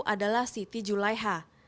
adalah siti julaiha